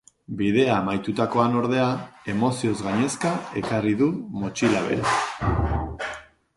Bidea amaitutakoan ordea, emozioz gainezka ekarri du motxila bera.